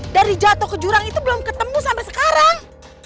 dari jatuh ke jurang itu belum ketemu sampai sekarang